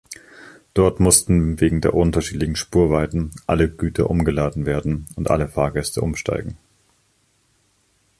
Dort mussten wegen der unterschiedlichen Spurweiten alle Güter umgeladen werden und alle Fahrgäste umsteigen.